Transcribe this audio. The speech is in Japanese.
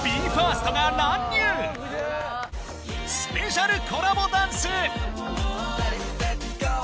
スペシャルコラボダンス